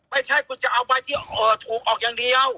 ไม่ใช่คุณจะเอาใบที่ถูกออกอย่างเดียว